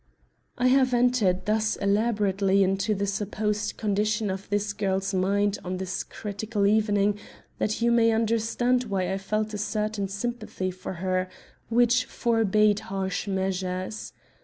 I have entered thus elaborately into the supposed condition of this girl's mind on this critical evening, that you may understand why I felt a certain sympathy for her, which forbade harsh measures.